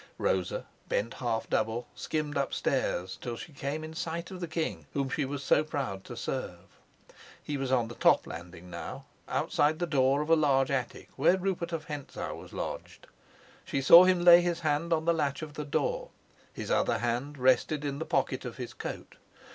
Rosa, bent half double, skimmed upstairs, till she came in sight of the king whom she was so proud to serve. He was on the top landing now, outside the door of a large attic where Rupert of Hentzau was lodged. She saw him lay his hand on the latch of the door; his other hand rested in the pocket of his coat.